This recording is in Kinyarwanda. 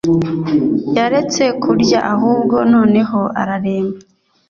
yareste kurya ahubwo noneho araremba